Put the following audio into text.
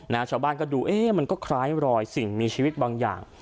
ชาวบ้านก็ดูเอ๊ะมันก็คล้ายรอยสิ่งมีชีวิตบางอย่าง